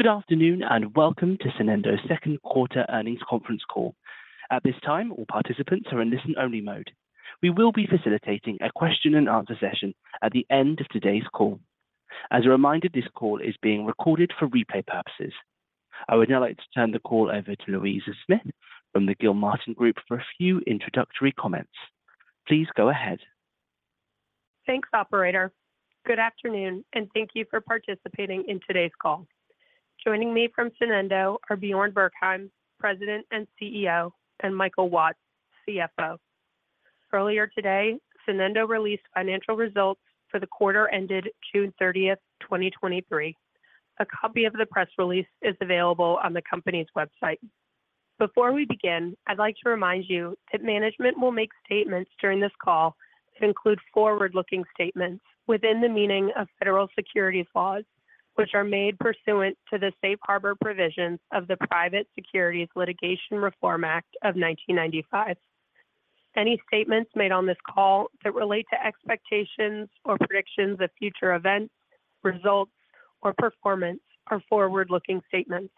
Good afternoon, welcome to Sonendo's Q2 Earnings Conference Call. At this time, all participants are in listen-only mode. We will be facilitating a question and answer session at the end of today's call. As a reminder, this call is being recorded for replay purposes. I would now like to turn the call over to Louisa Smith from the Gilmartin Group for a few introductory comments. Please go ahead. Thanks, operator. Good afternoon. Thank you for participating in today's call. Joining me from Sonendo are Bjarne Bergheim, President and CEO, and Michael Watts, CFO. Earlier today, Sonendo released financial results for the quarter ended 30 June 2023. A copy of the press release is available on the company's website. Before we begin, I'd like to remind you that management will make statements during this call to include forward-looking statements within the meaning of federal securities laws, which are made pursuant to the Safe Harbor Provisions of the Private Securities Litigation Reform Act of 1995. Any statements made on this call that relate to expectations or predictions of future events, results, or performance are forward-looking statements.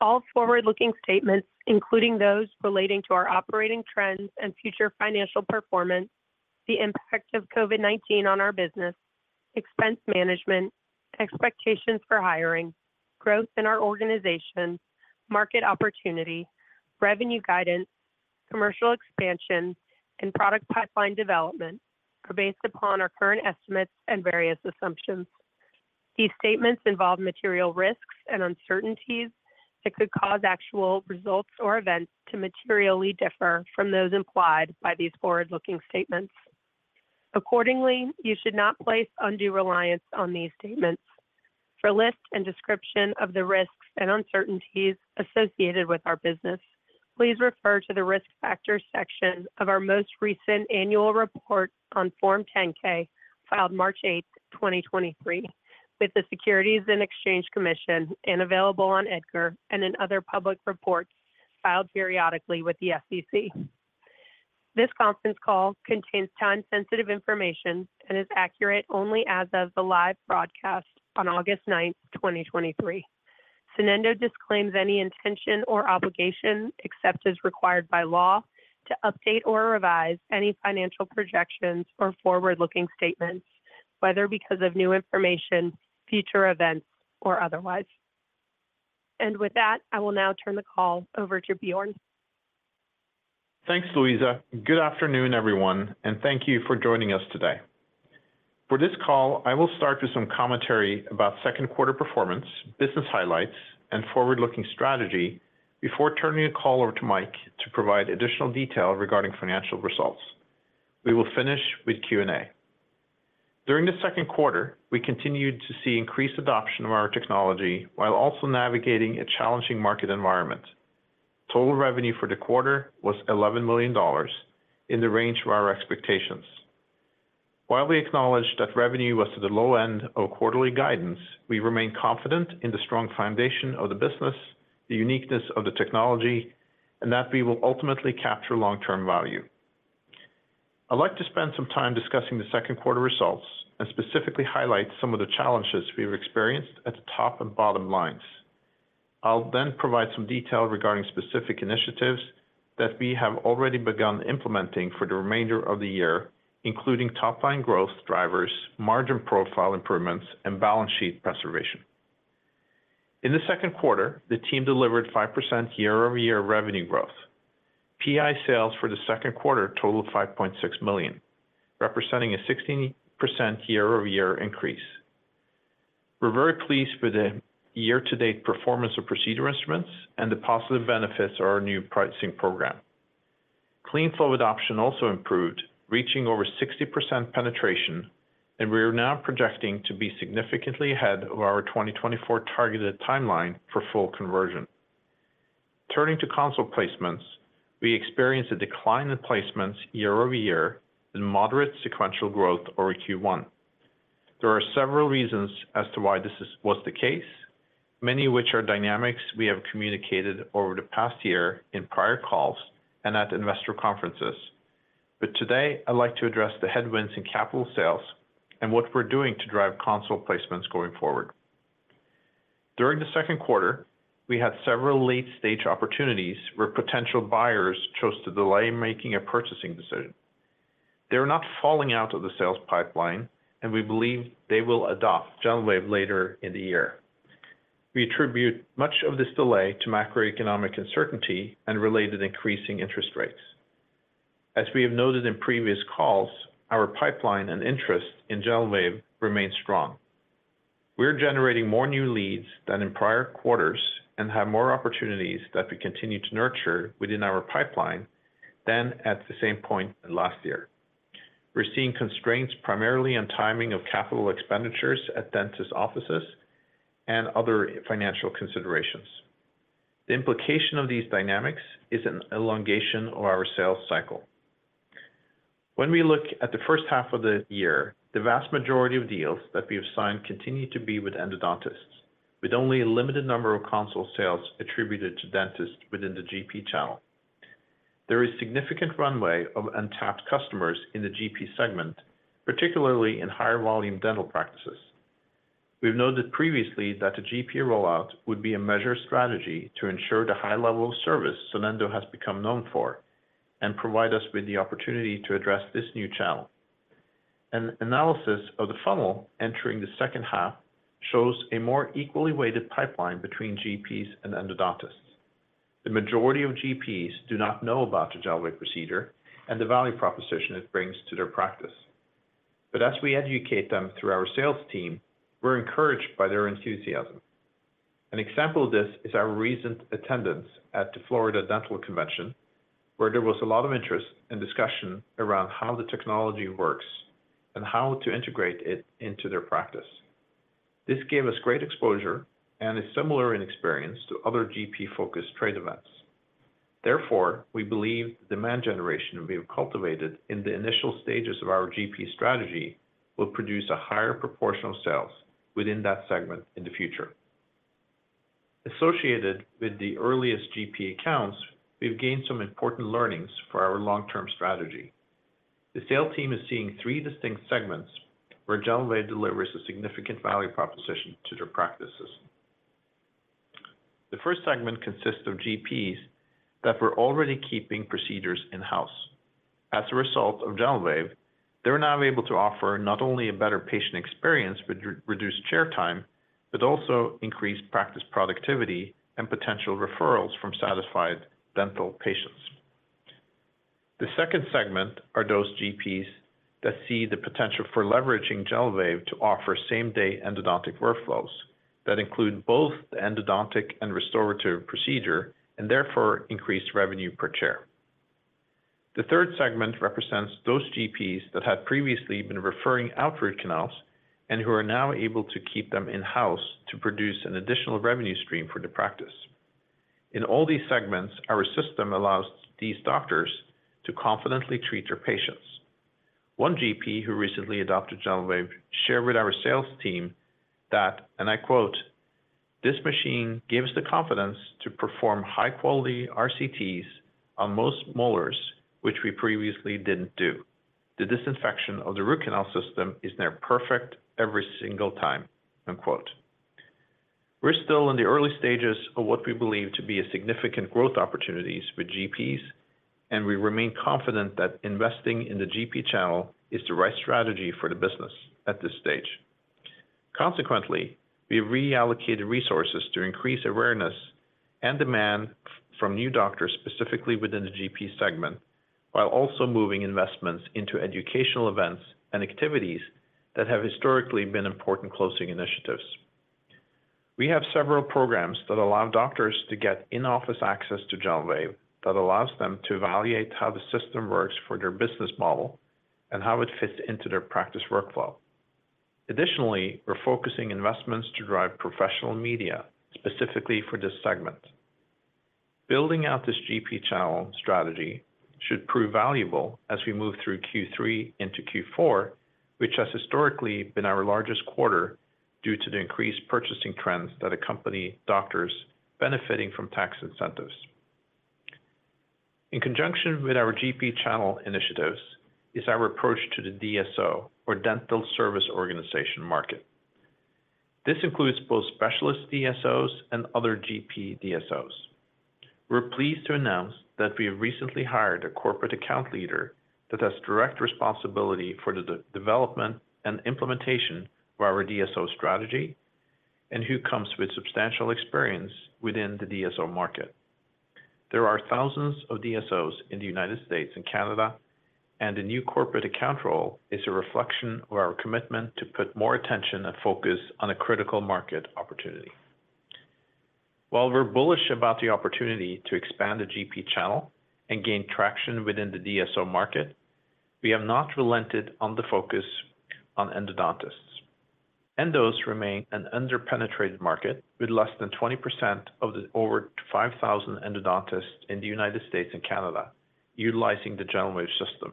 All forward-looking statements, including those relating to our operating trends and future financial performance, the impact of COVID-19 on our business, expense management, expectations for hiring, growth in our organization, market opportunity, revenue guidance, commercial expansion, and product pipeline development, are based upon our current estimates and various assumptions. These statements involve material risks and uncertainties that could cause actual results or events to materially differ from those implied by these forward-looking statements. Accordingly, you should not place undue reliance on these statements. For list and description of the risks and uncertainties associated with our business, please refer to the Risk Factors section of our most recent annual report on Form 10-K, filed 8 March 2023, with the Securities and Exchange Commission and available on EDGAR and in other public reports filed periodically with the SEC. This conference call contains time-sensitive information and is accurate only as of the live broadcast on 9 August 2023. Sonendo disclaims any intention or obligation, except as required by law, to update or revise any financial projections or forward-looking statements, whether because of new information, future events, or otherwise. With that, I will now turn the call over to Bjarne. Thanks, Louisa. Good afternoon, everyone, and thank you for joining us today. For this call, I will start with some commentary about Q2 performance, business highlights, and forward-looking strategy before turning the call over to Mike to provide additional detail regarding financial results. We will finish with Q&A. During the Q2, we continued to see increased adoption of our technology while also navigating a challenging market environment. Total revenue for the quarter was $11 million, in the range of our expectations. While we acknowledge that revenue was to the low end of quarterly guidance, we remain confident in the strong foundation of the business, the uniqueness of the technology, and that we will ultimately capture long-term value. I'd like to spend some time discussing the Q2 results and specifically highlight some of the challenges we've experienced at the top and bottom lines. I'll provide some detail regarding specific initiatives that we have already begun implementing for the remainder of the year, including top-line growth drivers, margin profile improvements, and balance sheet preservation. In the Q2, the team delivered 5% year-over-year revenue growth. PI sales for the Q2 totaled $5.6 million, representing a 16% year-over-year increase. We're very pleased with the year-to-date performance of procedure instruments and the positive benefits of our new pricing program. CleanFlow adoption also improved, reaching over 60% penetration, and we are now projecting to be significantly ahead of our 2024 targeted timeline for full conversion. Turning to console placements, we experienced a decline in placements year-over-year and moderate sequential growth over Q1. There are several reasons as to why this is, was the case, many of which are dynamics we have communicated over the past year in prior calls and at investor conferences. Today, I'd like to address the headwinds in capital sales and what we're doing to drive console placements going forward. During the Q2, we had several late-stage opportunities where potential buyers chose to delay making a purchasing decision. They are not falling out of the sales pipeline, and we believe they will adopt GentleWave later in the year. We attribute much of this delay to macroeconomic uncertainty and related increasing interest rates. As we have noted in previous calls, our pipeline and interest in GentleWave remains strong. We're generating more new leads than in prior quarters and have more opportunities that we continue to nurture within our pipeline than at the same point last year. We're seeing constraints primarily on timing of capital expenditures at dentist offices and other financial considerations. The implication of these dynamics is an elongation of our sales cycle. When we look at the first half of the year, the vast majority of deals that we have signed continue to be with endodontists, with only a limited number of console sales attributed to dentists within the GP channel. There is significant runway of untapped customers in the GP segment, particularly in higher volume dental practices. We've noted previously that the GP rollout would be a measure strategy to ensure the high level of service Sonendo has become known for, and provide us with the opportunity to address this new channel. An analysis of the funnel entering the second half shows a more equally weighted pipeline between GPs and endodontists. The majority of GPs do not know about the GentleWave procedure and the value proposition it brings to their practice. As we educate them through our sales team, we're encouraged by their enthusiasm. An example of this is our recent attendance at the Florida Dental Convention, where there was a lot of interest and discussion around how the technology works and how to integrate it into their practice. This gave us great exposure and is similar in experience to other GP-focused trade events. We believe demand generation will be cultivated in the initial stages of our GP strategy, will produce a higher proportional sales within that segment in the future. Associated with the earliest GP accounts, we've gained some important learnings for our long-term strategy. The sales team is seeing three distinct segments where GentleWave delivers a significant value proposition to their practices. The first segment consists of GPs that were already keeping procedures in-house. As a result of GentleWave, they're now able to offer not only a better patient experience with reduced chair time, but also increased practice productivity and potential referrals from satisfied dental patients. The second segment are those GPs that see the potential for leveraging GentleWave to offer same-day endodontic workflows that include both the endodontic and restorative procedure, and therefore increased revenue per chair. The third segment represents those GPs that had previously been referring out root canals, and who are now able to keep them in-house to produce an additional revenue stream for the practice. In all these segments, our system allows these doctors to confidently treat their patients. One GP who recently adopted GentleWave shared with our sales team that, and I quote, "This machine gives the confidence to perform high-quality RCTs on most molars, which we previously didn't do. The disinfection of the root canal system is near perfect every single time." Unquote. We're still in the early stages of what we believe to be significant growth opportunities for GPs, and we remain confident that investing in the GP channel is the right strategy for the business at this stage. Consequently, we have reallocated resources to increase awareness and demand from new doctors, specifically within the GP segment, while also moving investments into educational events and activities that have historically been important closing initiatives. We have several programs that allow doctors to get in-office access to GentleWave, that allows them to evaluate how the system works for their business model and how it fits into their practice workflow. Additionally, we're focusing investments to drive professional media, specifically for this segment. Building out this GP channel strategy should prove valuable as we move through Q3 into Q4, which has historically been our largest quarter due to the increased purchasing trends that accompany doctors benefiting from tax incentives. In conjunction with our GP channel initiatives, is our approach to the DSO or Dental Service Organization market. This includes both specialist DSOs and other GP DSOs. We're pleased to announce that we have recently hired a corporate account leader that has direct responsibility for the development and implementation of our DSO strategy, and who comes with substantial experience within the DSO market. There are thousands of DSOs in the United States and Canada, a new corporate account role is a reflection of our commitment to put more attention and focus on a critical market opportunity. While we're bullish about the opportunity to expand the GP channel and gain traction within the DSO market, we have not relented on the focus on endodontists. Endos remain an underpenetrated market, with less than 20% of the over 5,000 endodontists in the United States and Canada utilizing the GentleWave system.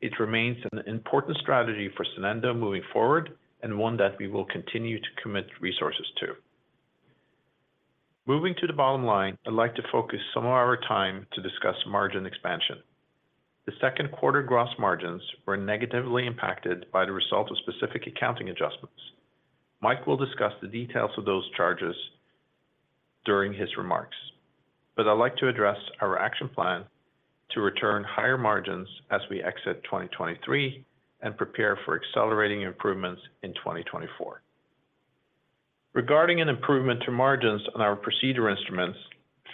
It remains an important strategy for Sonendo moving forward, one that we will continue to commit resources to. Moving to the bottom line, I'd like to focus some of our time to discuss margin expansion. The Q2 gross margins were negatively impacted by the result of specific accounting adjustments. Mike will discuss the details of those charges during his remarks, but I'd like to address our action plan to return higher margins as we exit 2023, and prepare for accelerating improvements in 2024. Regarding an improvement to margins on our procedure instruments,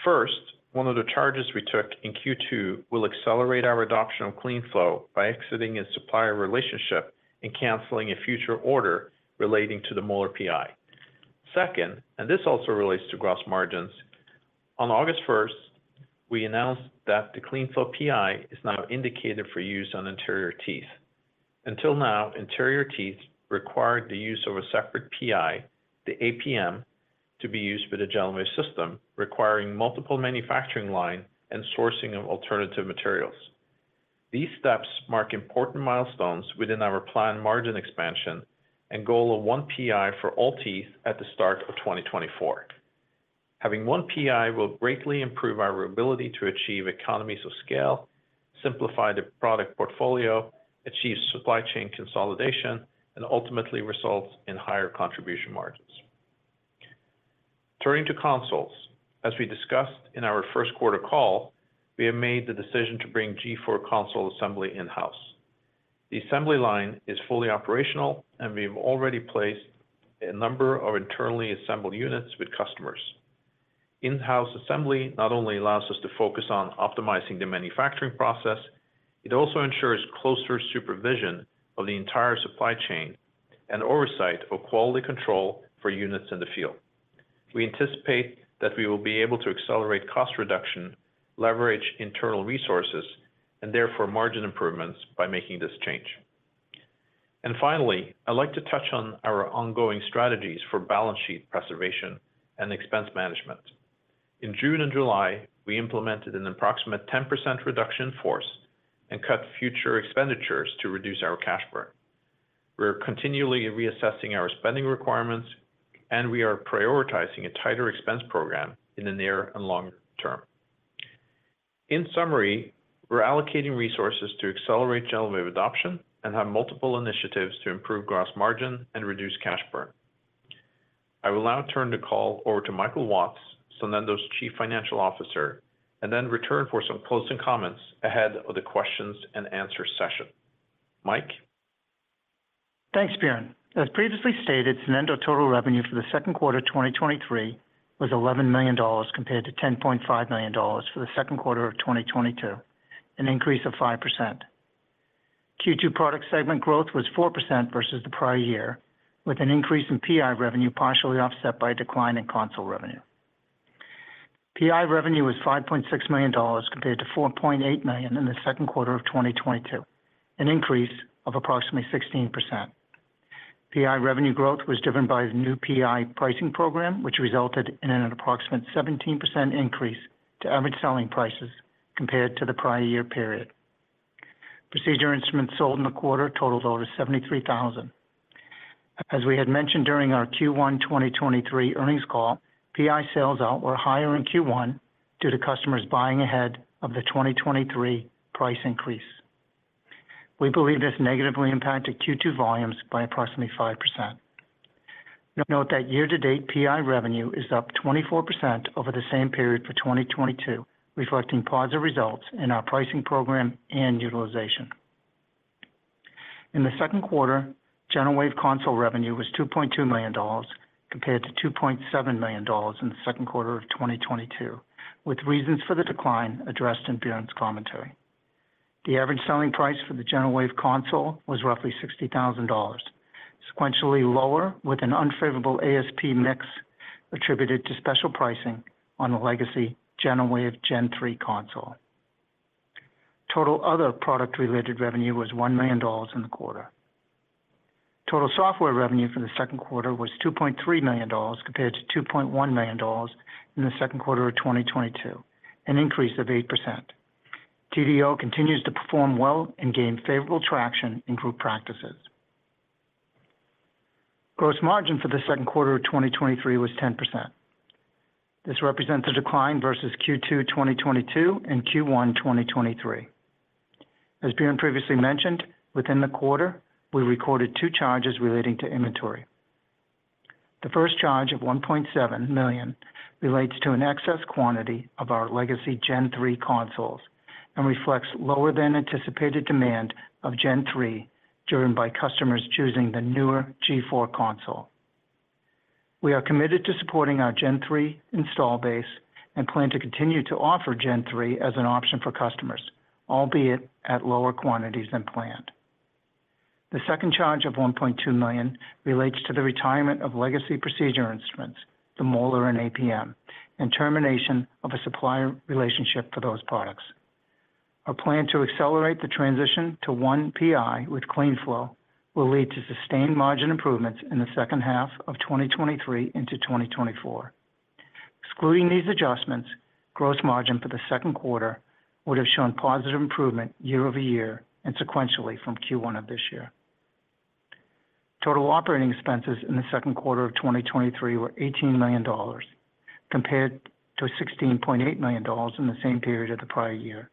first, one of the charges we took in Q2 will accelerate our adoption of CleanFlow by exiting a supplier relationship and canceling a future order relating to the Molar PI. Second, and this also relates to gross margins, on August 1st, we announced that the CleanFlow PI is now indicated for use on anterior teeth. Until now, anterior teeth required the use of a separate PI, the APM, to be used with the GentleWave system, requiring multiple manufacturing line and sourcing of alternative materials. These steps mark important milestones within our planned margin expansion and goal of 1 PI for all teeth at the start of 2024. Having 1 PI will greatly improve our ability to achieve economies of scale, simplify the product portfolio, achieve supply chain consolidation, and ultimately result in higher contribution margins. Turning to consoles. As we discussed in our Q1 call, we have made the decision to bring G4 console assembly in-house. The assembly line is fully operational, we've already placed a number of internally assembled units with customers. In-house assembly not only allows us to focus on optimizing the manufacturing process, it also ensures closer supervision of the entire supply chain and oversight of quality control for units in the field. We anticipate that we will be able to accelerate cost reduction, leverage internal resources, and therefore margin improvements by making this change. Finally, I'd like to touch on our ongoing strategies for balance sheet preservation and expense management. In June and July, we implemented an approximate 10% reduction in force and cut future expenditures to reduce our cash burn. We're continually reassessing our spending requirements. We are prioritizing a tighter expense program in the near and long term. In summary, we're allocating resources to accelerate GentleWave adoption and have multiple initiatives to improve gross margin and reduce cash burn. I will now turn the call over to Michael Watts, Sonendo's Chief Financial Officer, and then return for some closing comments ahead of the questions and answer session. Mike? Thanks, Bjarne. As previously stated, Sonendo total revenue for the Q2 of 2023 was $11 million, compared to $10.5 million for the Q2 of 2022, an increase of 5%. Q2 product segment growth was 4% versus the prior year, with an increase in PI revenue partially offset by a decline in console revenue. PI revenue was $5.6 million, compared to $4.8 million in the Q2 of 2022, an increase of approximately 16%. PI revenue growth was driven by the new PI pricing program, which resulted in an approximate 17% increase to average selling prices compared to the prior year period. Procedure instruments sold in the quarter totaled over 73,000. As we had mentioned during our Q1 2023 earnings call, PI sales out were higher in Q1 due to customers buying ahead of the 2023 price increase. We believe this negatively impacted Q2 volumes by approximately 5%. Note that year-to-date PI revenue is up 24% over the same period for 2022, reflecting positive results in our pricing program and utilization. In the Q2, GentleWave console revenue was $2.2 million, compared to $2.7 million in the Q2 of 2022, with reasons for the decline addressed in Bjarne's commentary. The average selling price for the GentleWave console was roughly $60,000, sequentially lower, with an unfavorable ASP mix attributed to special pricing on the legacy GentleWave Gen 3 console. Total other product-related revenue was $1 million in the quarter. Total software revenue for the Q2 was $2.3 million, compared to $2.1 million in the Q2 of 2022, an increase of 8%. TDO continues to perform well and gain favorable traction in group practices. Gross margin for the Q2 of 2023 was 10%. This represents a decline versus Q2 2022 and Q1 2023. As Bjarne previously mentioned, within the quarter, we recorded two charges relating to inventory. The first charge of $1.7 million relates to an excess quantity of our legacy Gen 3 consoles and reflects lower than anticipated demand of Gen 3, driven by customers choosing the newer G4 console. We are committed to supporting our Gen 3 install base and plan to continue to offer Gen 3 as an option for customers, albeit at lower quantities than planned. The second charge of $1.2 million relates to the retirement of legacy procedure instruments, the Molar and APM, and termination of a supplier relationship for those products. Our plan to accelerate the transition to one PI with CleanFlow will lead to sustained margin improvements in the second half of 2023 into 2024. Excluding these adjustments, gross margin for the Q2 would have shown positive improvement year-over-year and sequentially from Q1 of this year. Total operating expenses in the Q2 of 2023 were $18 million, compared to $16.8 million in the same period of the prior year.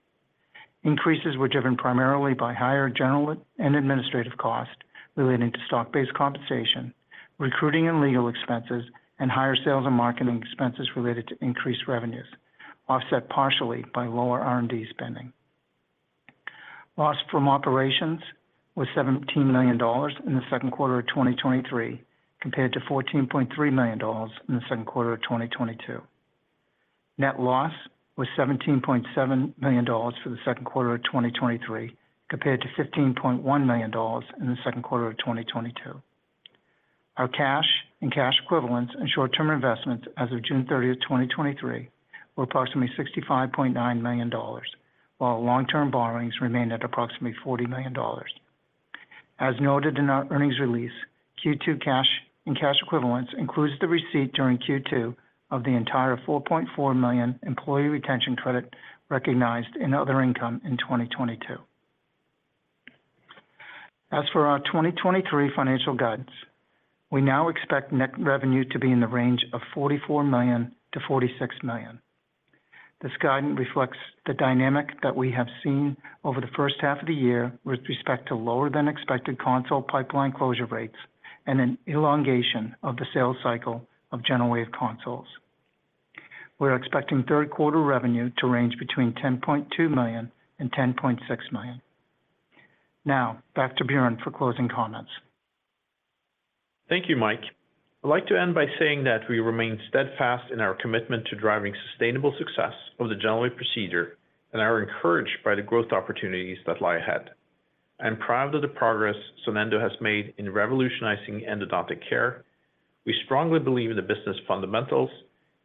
Increases were driven primarily by higher general and administrative costs relating to stock-based compensation, recruiting and legal expenses, and higher sales and marketing expenses related to increased revenues, offset partially by lower R&D spending. Loss from operations was $17 million in the Q2 of 2023, compared to $14.3 million in the Q2 of 2022. Net loss was $17.7 million for the Q2 of 2023, compared to $15.1 million in the Q2 of 2022. Our cash and cash equivalents and short-term investments as of June 30th, 2023, were approximately $65.9 million, while long-term borrowings remained at approximately $40 million. As noted in our earnings release, Q2 cash and cash equivalents includes the receipt during Q2 of the entire $4.4 million Employee Retention Credit recognized in other income in 2022. As for our 2023 financial guidance, we now expect net revenue to be in the range of $44 to 46 million. This guidance reflects the dynamic that we have seen over the first half of the year with respect to lower than expected console pipeline closure rates and an elongation of the sales cycle of GentleWave consoles. We're expecting Q3 revenue to range between $10.2 and 10.6 million. Back to Bjarne for closing comments. Thank you, Mike. I'd like to end by saying that we remain steadfast in our commitment to driving sustainable success of the GentleWave procedure and are encouraged by the growth opportunities that lie ahead. I'm proud of the progress Sonendo has made in revolutionizing endodontic care. We strongly believe in the business fundamentals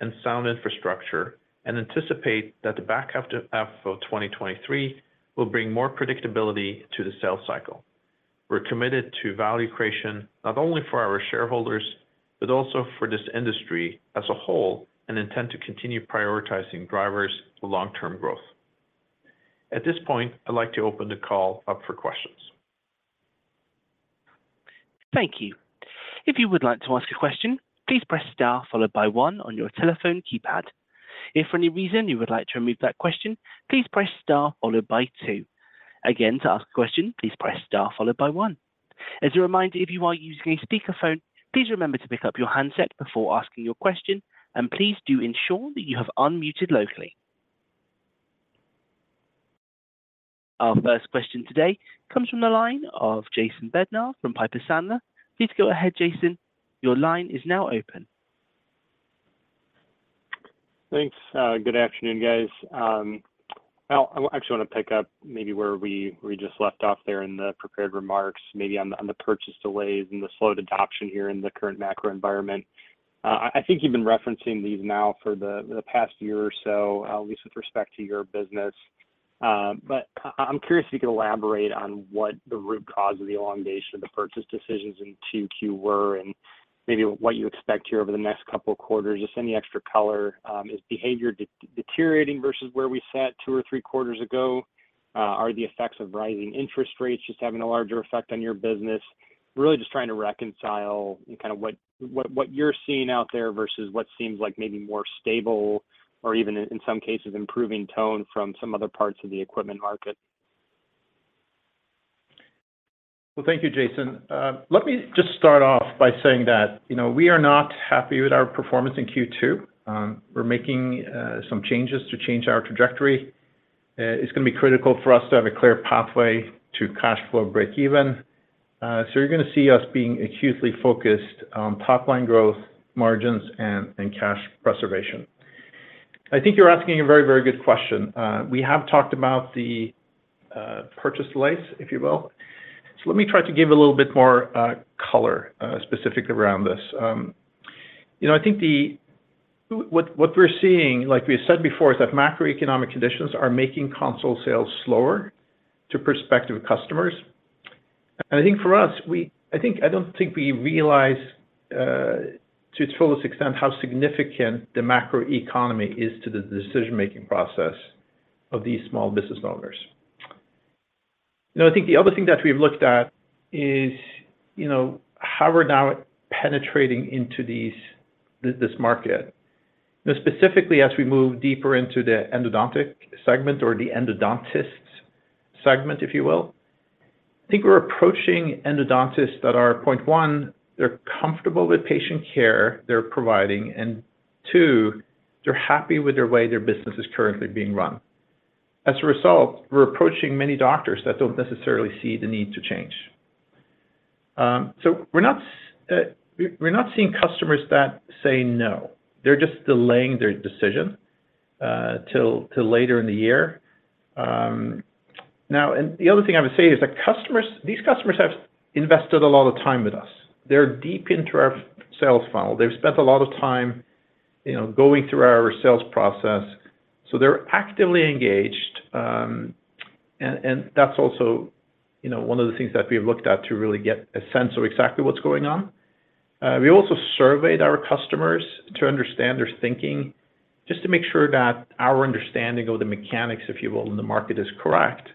and sound infrastructure, and anticipate that the back half of 2023 will bring more predictability to the sales cycle. We're committed to value creation not only for our shareholders, but also for this industry as a whole, and intend to continue prioritizing drivers for long-term growth. At this point, I'd like to open the call up for questions. Thank you. If you would like to ask a question, please press Star followed by one on your telephone keypad. If for any reason you would like to remove that question, please press Star followed by two. Again, to ask a question, please press Star followed by one. As a reminder, if you are using a speakerphone, please remember to pick up your handset before asking your question, and please do ensure that you have unmuted locally. Our first question today comes from the line of Jason Bednar from Piper Sandler. Please go ahead, Jason. Your line is now open. Thanks. good afternoon, guys. well, I actually want to pick up maybe where we, we just left off there in the prepared remarks, maybe on the, on the purchase delays and the slowed adoption here in the current macro environment. I, I think you've been referencing these now for the, the past year or so, at least with respect to your business. I'm curious if you could elaborate on what the root cause of the elongation of the purchase decisions in Q2 were, and maybe what you expect here over the next couple of quarters. Just any extra color. Is behavior deteriorating versus where we sat two or three quarters ago? Are the effects of rising interest rates just having a larger effect on your business? Really just trying to reconcile kind of what, what, what you're seeing out there versus what seems like maybe more stable or even in some cases, improving tone from some other parts of the equipment market. Well, thank you, Jason. Let me just start off by saying that, you know, we are not happy with our performance in Q2. We're making some changes to change our trajectory. It's going to be critical for us to have a clear pathway to cash flow break even. You're going to see us being acutely focused on top-line growth, margins, and, and cash preservation. I think you're asking a very, very good question. We have talked about the purchase delays, if you will. Let me try to give a little bit more color specifically around this. You know, I think the-- what, what we're seeing, like we said before, is that macroeconomic conditions are making console sales slower to prospective customers. I think for us, we-- I think, I don't think we realize to its fullest extent how significant the macroeconomy is to the decision-making process of these small business owners. You know, I think the other thing that we've looked at is, you know, how we're now penetrating into these, this, this market. Now, specifically as we move deeper into the endodontic segment or the endodontist segment, if you will, I think we're approaching endodontists that are, point one, they're comfortable with patient care they're providing, and two, they're happy with the way their business is currently being run. As a result, we're approaching many doctors that don't necessarily see the need to change. We're not, we're not seeing customers that say no. They're just delaying their decision, till, till later in the year. Now, the other thing I would say is that customers, these customers have invested a lot of time with us. They're deep into our sales funnel. They've spent a lot of time, you know, going through our sales process, so they're actively engaged. And that's also, you know, one of the things that we have looked at to really get a sense of exactly what's going on. We also surveyed our customers to understand their thinking, just to make sure that our understanding of the mechanics, if you will, in the market, is correct.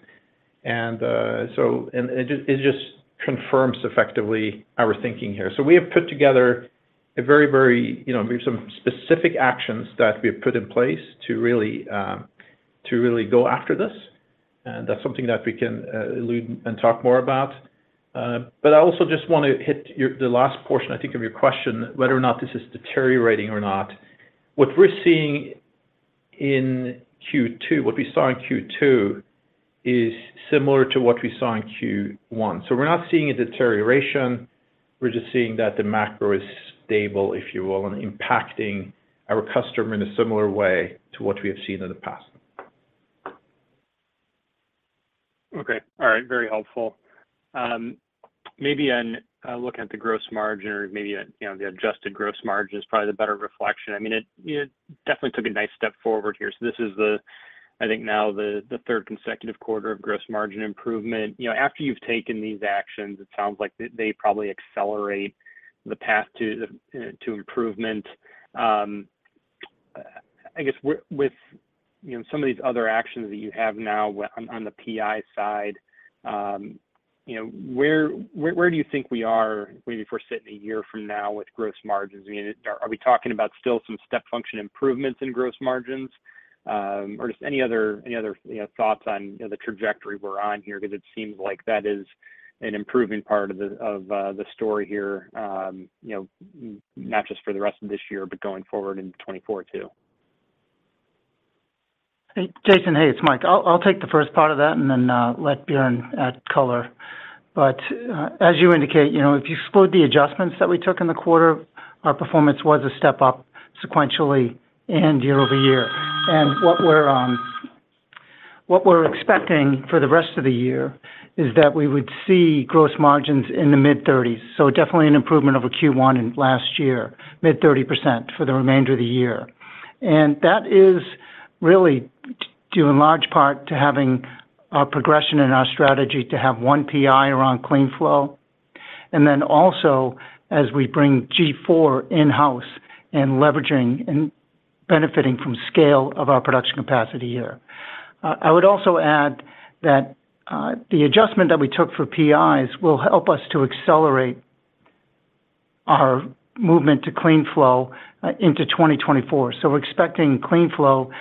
It just, it just confirms effectively our thinking here. We have put together a very, very... You know, some specific actions that we have put in place to really, to really go after this. That's something that we can allude and talk more about. I also just want to hit the last portion, I think, of your question, whether or not this is deteriorating or not. What we're seeing in Q2, what we saw in Q2, is similar to what we saw in Q1. We're not seeing a deterioration, we're just seeing that the macro is stable, if you will, and impacting our customer in a similar way to what we have seen in the past. Okay, all right. Very helpful. Maybe in looking at the gross margin or maybe at, you know, the adjusted gross margin is probably the better reflection. I mean, it, it definitely took a nice step forward here. This is the I think now the, the third consecutive quarter of gross margin improvement. You know, after you've taken these actions, it sounds like they, they probably accelerate the path to the, to improvement. I guess with, with, you know, some of these other actions that you have now on, on the PI side, you know, where, where, where do you think we are, maybe if we're sitting a year from now with gross margins? I mean, are, are we talking about still some step function improvements in gross margins, or just any other, any other, you know, thoughts on, you know, the trajectory we're on here? Because it seems like that is an improving part of the, of, the story here, you know, not just for the rest of this year, but going forward into 2024 too. Hey, Jason. Hey, it's Mike. I'll, I'll take the first part of that and then let Bjarne add color. As you indicate, you know, if you exclude the adjustments that we took in the quarter, our performance was a step up sequentially and year-over-year. What we're expecting for the rest of the year is that we would see gross margins in the mid-30s. Definitely an improvement over Q1 in last year, mid-30% for the remainder of the year. That is really due in large part to having our progression in our strategy to have one PI around CleanFlow, and then also as we bring G4 in-house and leveraging and benefiting from scale of our production capacity here. I would also add that the adjustment that we took for PIs will help us to accelerate our movement to CleanFlow into 2024. We're expecting CleanFlow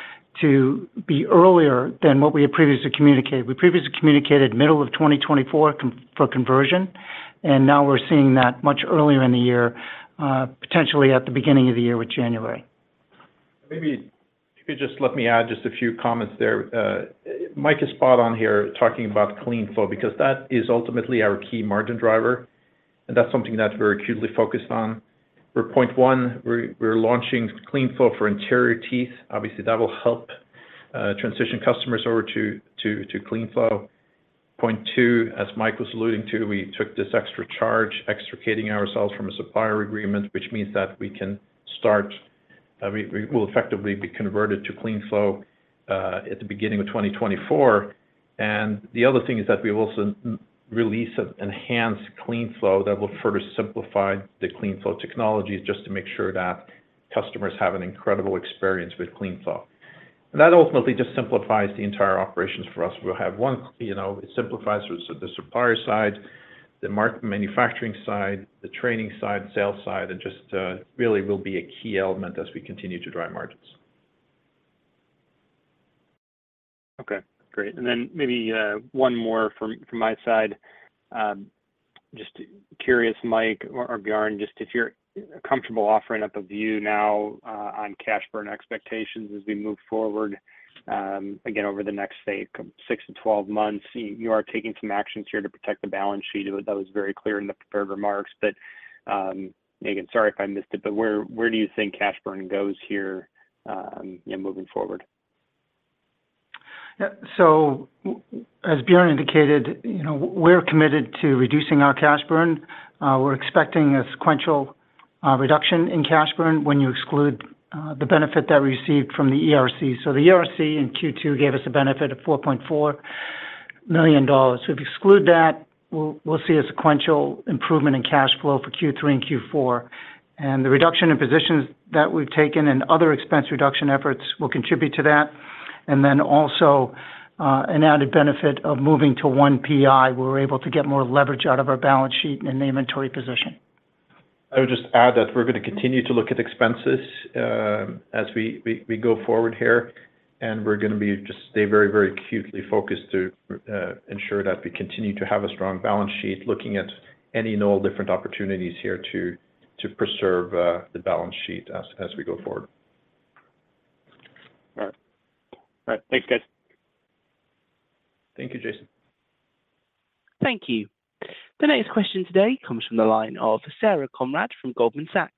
to be earlier than what we had previously communicated. We previously communicated middle of 2024 for conversion. Now we're seeing that much earlier in the year, potentially at the beginning of the year with January. Maybe, if you could just let me add just a few comments there. Mike is spot on here talking about CleanFlow, because that is ultimately our key margin driver, and that's something that we're acutely focused on. For 1, we're, we're launching CleanFlow for anterior teeth. Obviously, that will help transition customers over to, to, to CleanFlow. 2, as Mike was alluding to, we took this extra charge, extricating ourselves from a supplier agreement, which means that we can start, we, we will effectively be converted to CleanFlow at the beginning of 2024. The other thing is that we will also release an enhanced CleanFlow that will further simplify the CleanFlow technology, just to make sure that customers have an incredible experience with CleanFlow. That ultimately just simplifies the entire operations for us. We'll have one, you know, it simplifies the, the supplier side, the manufacturing side, the training side, sales side, and just really will be a key element as we continue to drive margins. Okay, great. Then maybe one more from, from my side. Just curious, Mike or, or Bjarne, just if you're comfortable offering up a view now on cash burn expectations as we move forward, again, over the next, say, six to twelve months. You, you are taking some actions here to protect the balance sheet. That was very clear in the prepared remarks, but again, sorry if I missed it, but where, where do you think cash burn goes here, you know, moving forward? Yeah. As Bjarne indicated, you know, we're committed to reducing our cash burn. We're expecting a sequential reduction in cash burn when you exclude the benefit that we received from the ERC. The ERC in Q2 gave us a benefit of $4.4 million. If you exclude that, we'll, we'll see a sequential improvement in cash flow for Q3 and Q4. The reduction in positions that we've taken and other expense reduction efforts will contribute to that. Also, an added benefit of moving to 1 PI, we're able to get more leverage out of our balance sheet in the inventory position. I would just add that we're going to continue to look at expenses, as we go forward here, and we're going to be just stay very, very acutely focused to ensure that we continue to have a strong balance sheet, looking at any and all different opportunities here to preserve the balance sheet as we go forward. All right. All right, thanks, guys. Thank you, Jason. Thank you. The next question today comes from the line of Sarah Conrad from Goldman Sachs.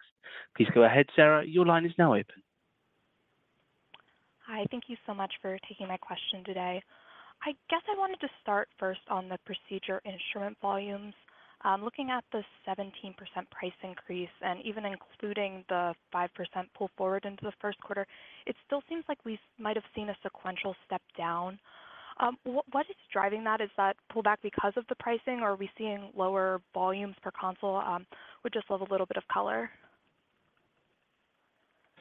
Please go ahead, Sarah, your line is now open. Hi, thank you so much for taking my question today. I guess I wanted to start first on the procedure instrument volumes. Looking at the 17% price increase and even including the 5% pull forward into the Q1, it still seems like we might have seen a sequential step down. What, what is driving that? Is that pull back because of the pricing, or are we seeing lower volumes per console? Would just love a little bit of color.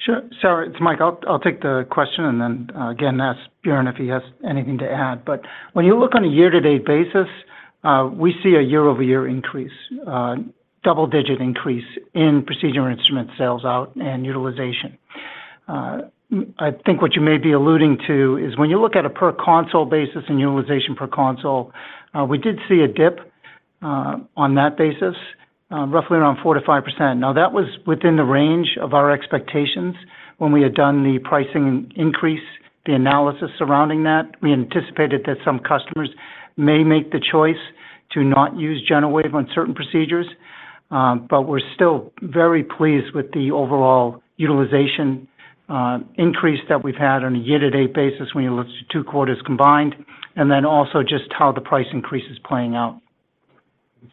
Sure. Sarah, it's Mike. I'll, I'll take the question and then, again, ask Bjarne if he has anything to add. When you look on a year-to-date basis, we see a year-over-year increase, double-digit increase in procedure instrument sales out and utilization. I think what you may be alluding to is when you look at a per console basis and utilization per console, we did see a dip, on that basis, roughly around 4% to 5%. That was within the range of our expectations when we had done the pricing increase, the analysis surrounding that. We anticipated that some customers may make the choice to not use GentleWave on certain procedures, but we're still very pleased with the overall utilization increase that we've had on a year-to-date basis when you look at two quarters combined, and then also just how the price increase is playing out.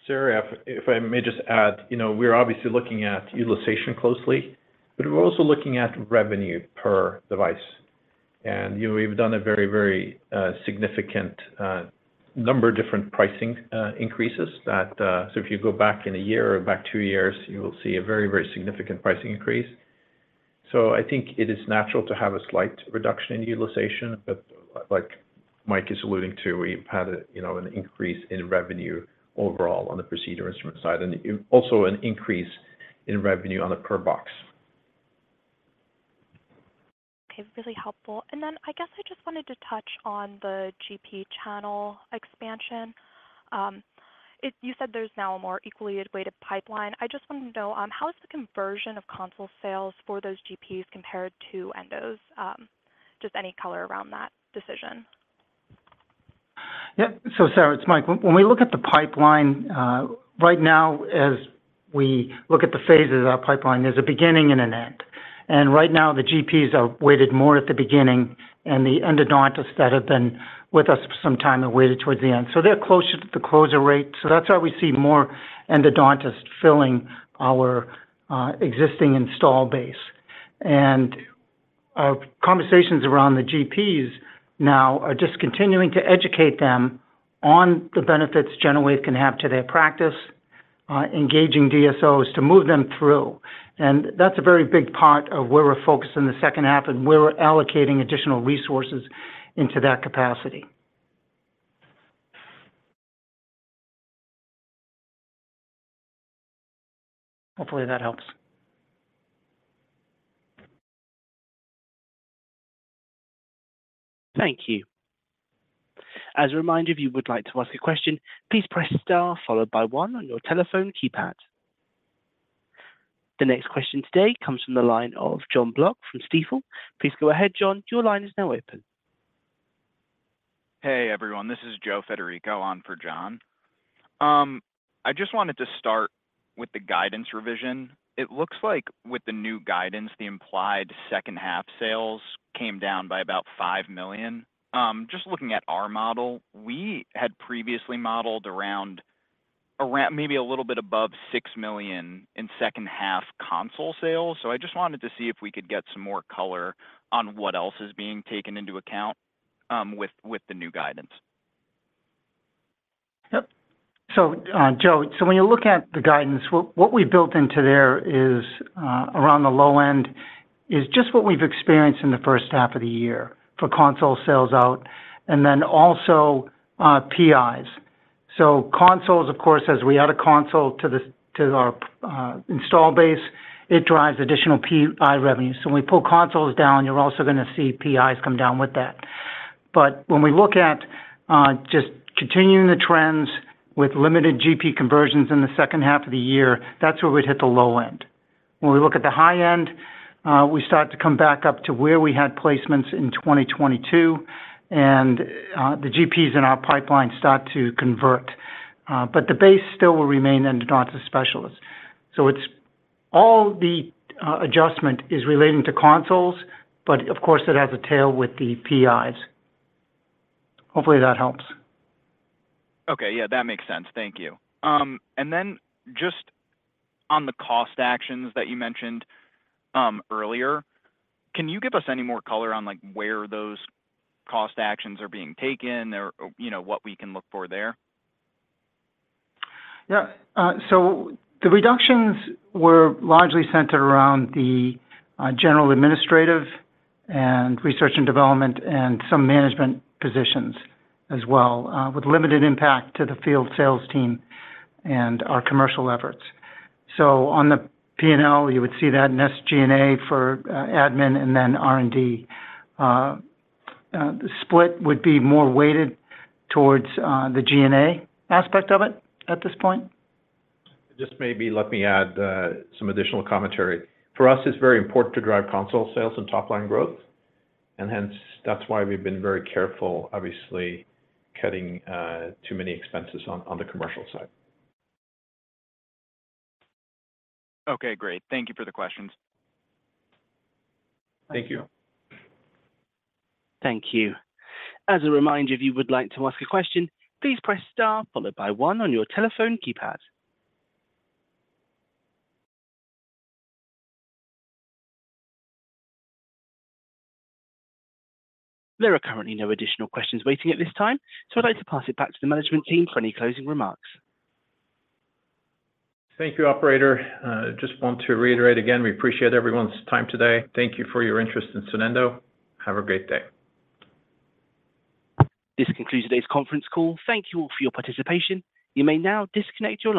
Sarah, if, if I may just add, you know, we're obviously looking at utilization closely, but we're also looking at revenue per device. You know, we've done a very, very significant number of different pricing increases that, if you go back in a year or back 2 years, you will see a very, very significant pricing increase. I think it is natural to have a slight reduction in utilization, but like Mike is alluding to, we've had a, you know, an increase in revenue overall on the procedure instrument side, and also an increase in revenue on a per box. Okay, really helpful. Then I guess I just wanted to touch on the GP channel expansion. You said there's now a more equally weighted pipeline. I just wanted to know, how is the conversion of console sales for those GPs compared to endos? Just any color around that decision. Yep. Sarah, it's Mike. When we look at the pipeline, right now, as we look at the phases of our pipeline, there's a beginning and an end. Right now, the GPs are weighted more at the beginning, and the endodontists that have been with us for some time are weighted towards the end. They're closer to the closure rate, so that's why we see more endodontists filling our existing install base. Our conversations around the GPs now are just continuing to educate them on the benefits GentleWave can have to their practice, engaging DSOs to move them through. That's a very big part of where we're focused in the second half, and where we're allocating additional resources into that capacity. Hopefully, that helps. Thank you. As a reminder, if you would like to ask a question, please press star followed by one on your telephone keypad. The next question today comes from the line of Jonathan Block from Stifel. Please go ahead, John. Your line is now open. Hey, everyone. This is Joe Federico on for John Block. I just wanted to start with the guidance revision. It looks like with the new guidance, the implied second half sales came down by about $5 million. Just looking at our model, we had previously modeled around around maybe a little bit above $6 million in second half console sales. I just wanted to see if we could get some more color on what else is being taken into account with, with the new guidance. Yep. Joe, when you look at the guidance, what, what we built into there is around the low end, is just what we've experienced in the first half of the year for console sales out, and then also PIs. Consoles, of course, as we add a console to our install base, it drives additional PI revenue. When we pull consoles down, you're also gonna see PIs come down with that. When we look at just continuing the trends with limited GP conversions in the second half of the year, that's where we'd hit the low end. When we look at the high end, we start to come back up to where we had placements in 2022, and the GPs in our pipeline start to convert, but the base still will remain endodontist specialists. It's all the adjustment is relating to consoles, but of course, it has a tail with the PIs. Hopefully, that helps. Okay. Yeah, that makes sense. Thank you. Just on the cost actions that you mentioned, earlier, can you give us any more color on, like, where those cost actions are being taken or, you know, what we can look for there? The reductions were largely centered around the general administrative and research and development, and some management positions as well, with limited impact to the field sales team and our commercial efforts. On the P&L, you would see that in SG&A for admin and then R&D. The split would be more weighted towards the G&A aspect of it at this point. Just maybe let me add some additional commentary. For us, it's very important to drive console sales and top-line growth, and hence, that's why we've been very careful, obviously, cutting too many expenses on, on the commercial side. Okay, great. Thank you for the questions. Thank you. Thank you. As a reminder, if you would like to ask a question, please press star followed by one on your telephone keypad. There are currently no additional questions waiting at this time, I'd like to pass it back to the management team for any closing remarks. Thank you, operator. Just want to reiterate again, we appreciate everyone's time today. Thank you for your interest in Sonendo. Have a great day. This concludes today's conference call. Thank you all for your participation. You may now disconnect your line.